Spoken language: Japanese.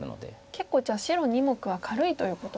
結構じゃあ白２目は軽いということですか。